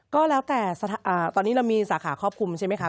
ก็แล้วแต่ตอนนี้เรามีสาขาครอบคลุมใช่ไหมคะ